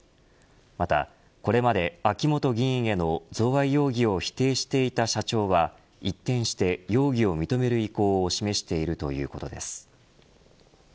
また、これまで秋本議員への贈賄容疑を否定していた社長は一転して容疑を認める意向を示しているということです。